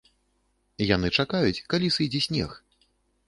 Яны чакаюць, калі сыдзе снег.